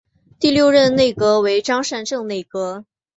第六任内阁为张善政内阁。